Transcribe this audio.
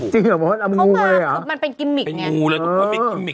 จริงเหรอมันเป็นกิมมิกเนี่ยอ๋อปีนี้มัน